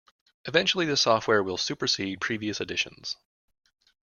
Eventually this software will supersede previous editions.